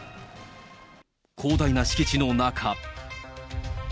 広大な敷地の中。